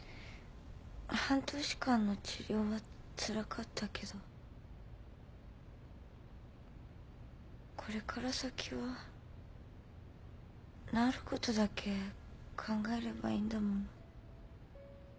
半年間の治療はつらかったけどこれから先は治ることだけ考えればいいんだもの。